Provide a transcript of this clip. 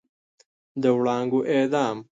د وړانګو اعدام